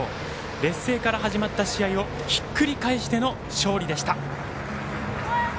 劣勢から始まった試合をひっくり返しての勝利でした。